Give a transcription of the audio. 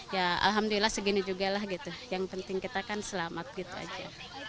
ya alhamdulillah segini juga lah gitu yang penting kita kan selamat gitu aja